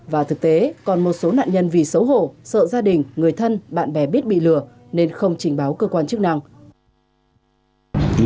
và thực tế còn một số nạn nhân vì xấu hổ sợ gia đình người thân bạn bè biết bị lừa nên không trình báo cơ quan chức năng